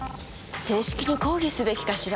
正式に抗議すべきかしら。